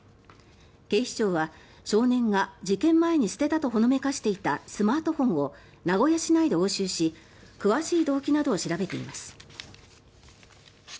警視庁は少年が事件前に捨てたとほのめかしていたスマートフォンを名古屋市内で押収し詳しい動機などを調べています。